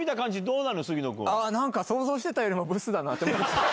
想像してたよりもブスだなって思いましたね。